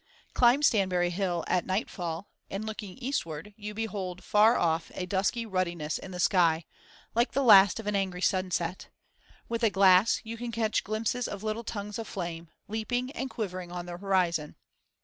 Climb Stanbury Hill at nightfall, and, looking eastward, you behold far off a dusky ruddiness in the sky, like the last of an angry sunset; with a glass you can catch glimpses of little tongues of flame, leaping and quivering on the horizon.